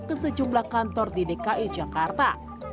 ke sejumlah kantor di dki jakarta